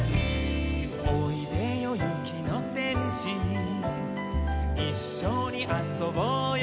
「おいでよゆきのてんし」「いっしょにあそぼうよ」